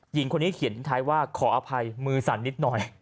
หญิงคนนี้เขียนทิ้งท้ายว่าขออภัยมือสั่นนิดหน่อย